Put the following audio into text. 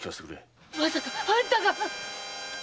〔まさかあんたが⁉〕